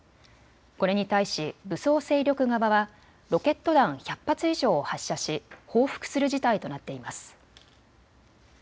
これに対し武装勢力側はロケット弾１００発以上を発射し報復する事態となっています。